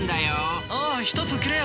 おお１つくれよ。